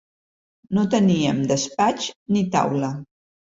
No teníem despatx, ni taula.